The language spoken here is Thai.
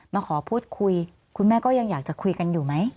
มาขอพูดคุยคุณแม่ก็ยังอยากจะคุยกันอยู่ไหม